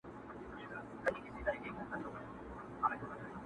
چي که مړ سوم زه به څرنګه یادېږم؟!